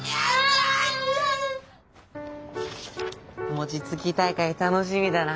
もちつき大会楽しみだな。